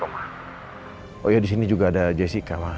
oh iya disini juga ada jessica